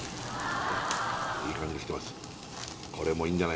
いい感じにきてます